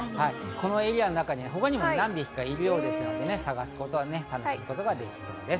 このエリアの中に他にも何匹かいるようですけど、探して楽しむことができるようです。